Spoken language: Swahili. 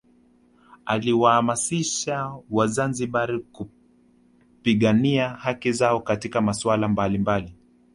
Akiwahamasisha wazanzibari kupigania haki zao katika masuala mbalimbali